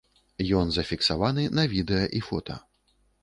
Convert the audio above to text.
Ён зафіксаваны на відэа і фота.